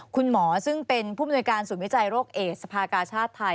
คุณหมอซึ่งเป็นผู้มนวยการศูนย์วิจัยโรคเอสสภากาชาติไทย